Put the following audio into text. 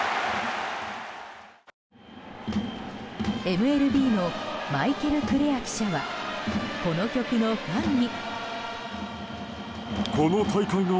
ＭＬＢのマイケル・クレア記者はこの曲のファンに。